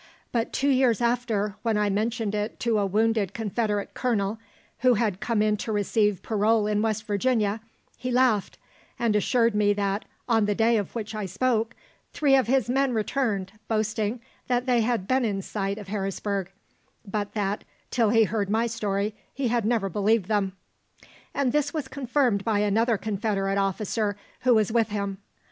But two years after, when I mentioned it to a wounded Confederate Colonel who had come in to receive parole in West Virginia, he laughed, and assured me that, on the day of which I spoke, three of his men returned, boasting that they had been in sight of Harrisburg, but that, till he heard my story, he had never believed them. And this was confirmed by another Confederate officer who was with him.